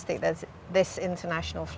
bahwa perbincangan bunga internasional ini